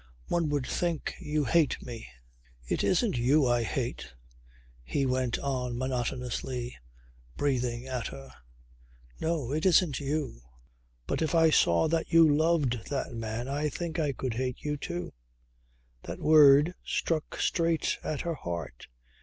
One would think you hate me." "It isn't you I hate," he went on monotonously breathing at her. "No, it isn't you. But if I saw that you loved that man I think I could hate you too." That word struck straight at her heart.